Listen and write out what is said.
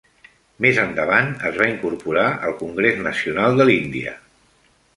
Més endavant es va incorporar al Congrés Nacional de l'Índia.